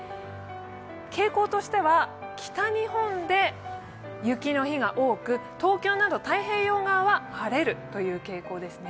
傾向としては北日本で雪の日が多く東京など太平洋側は晴れるという傾向ですね。